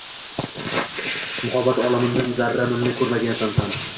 Muhabbat olamindan zarra mimni koʻrmagaysan, san